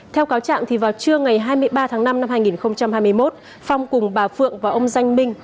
theo cáo trạng vào trưa ngày hai mươi ba tháng năm năm hai nghìn hai mươi một phong cùng bà phượng và ông danh minh